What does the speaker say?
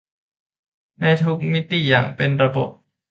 ในทุกมิติอย่างเป็นระบบ